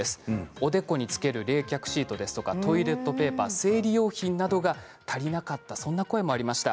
おでこにつける冷却シートですとか、トイレットペーパー生理用品などが足りなかったそんな声もありました。